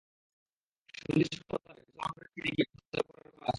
সন্ধির শর্ত মোতাবেক মুসলমানরা ফিরে গিয়ে পরের বছর আবার আসে।